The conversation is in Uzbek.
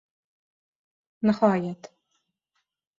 Nihoyat